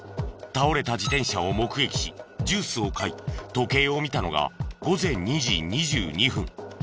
倒れた自転車を目撃しジュースを買い時計を見たのが午前２時２２分。